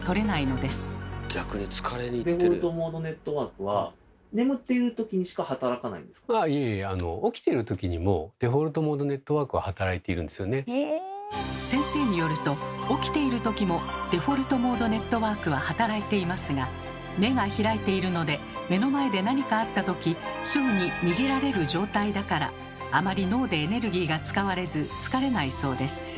デフォルトモードネットワークはああいえいえ先生によると起きている時もデフォルトモードネットワークは働いていますが目が開いているので目の前で何かあった時すぐに逃げられる状態だからあまり脳でエネルギーが使われず疲れないそうです。